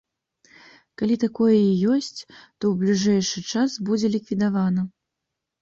Калі такое і ёсць, то ў бліжэйшы час будзе ліквідавана.